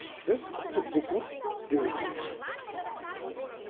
ここどこ？っていうような感じ。